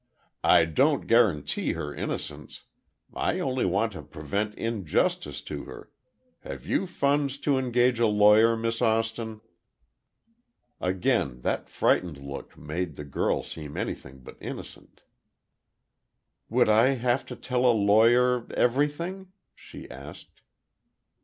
"I don't guarantee her innocence—I only want to prevent injustice to her. Have you funds to engage a lawyer, Miss Austin?" Again that frightened look made the girl seem anything but innocent. "Would I have to tell a lawyer—everything?" she asked.